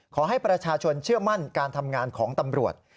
ขอให้ประชาชนเชื่อมั่นการทำงานของตำรวจ